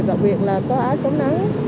và việc là có áo chống nắng